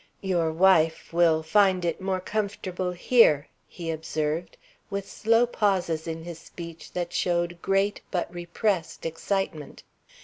"Your wife will find it more comfortable here," he observed, with slow pauses in his speech that showed great, but repressed, excitement.